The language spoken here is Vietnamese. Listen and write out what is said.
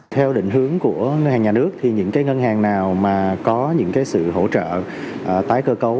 theo định hướng của ngân hàng nhà nước những ngân hàng nào có sự hỗ trợ tái cơ cấu